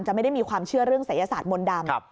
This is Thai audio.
ไม่ได้มีความเชื่อเรื่องศัยศาสตร์มนต์ดำ